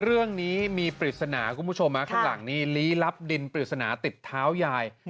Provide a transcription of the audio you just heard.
เรื่องนี้มีปริศนาคุณผู้ชมข้างหลังนี้ลี้ลับดินปริศนาติดเท้ายาย